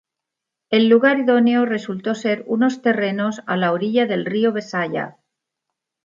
El lugar idóneo resultó ser unos terrenos a la orilla del río Besaya.